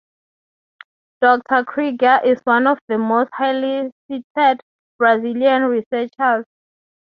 Doctor Krieger is one of the most highly cited Brazilian researchers.